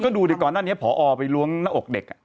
ดูดิก่อนหน้านี้พอไปล้วงหน้าอกเด็ก